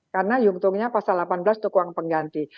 karena untungnya pasal delapan belas itu keuangan pengganti